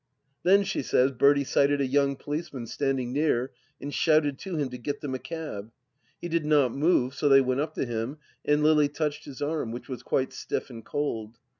Then, she says, Bertie sighted a young policeman standing near and shouted to him to get them a cab. He did not move, so they went up to him and Lily touched his arm, which was quite stiff and cold. ..